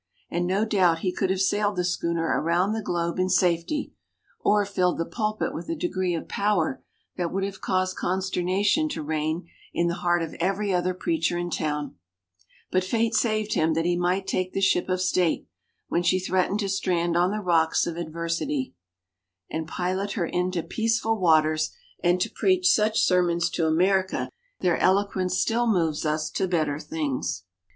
And no doubt he could have sailed the schooner around the globe in safety, or filled the pulpit with a degree of power that would have caused consternation to reign in the heart of every other preacher in town; but Fate saved him that he might take the Ship of State, when she threatened to strand on the rocks of adversity, and pilot her into peaceful waters, and to preach such sermons to America that their eloquence still moves us to better things.